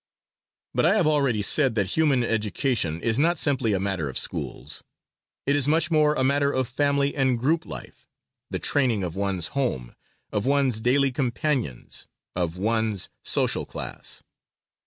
But I have already said that human education is not simply a matter of schools; it is much more a matter of family and group life the training of one's home, of one's daily companions, of one's social class.